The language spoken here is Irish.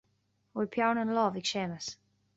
An bhfuil peann ina lámh ag Séamus